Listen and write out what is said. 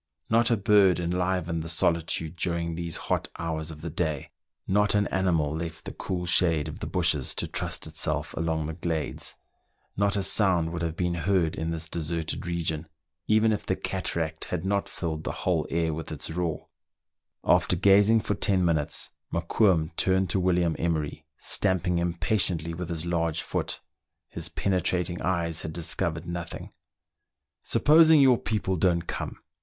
Not a bird enlivened the solitude during these hot hours of the day ; not an animal William Emery and the Bushman.— [Page 8.] THREE ENGLISHMEN AND THREE RUSSIANS. 9 left the cool shade of the bushes to trust itself along the glades ; not a sound would have been heard in this deserted region, even if the cataract had not filled the whole air with its roar. After gazing for ten minutes, Mokoum turned to William Emery, stamping impatiently with his large foot ; his pene trating eyes had discovered nothing. "Supposing your people don't come?"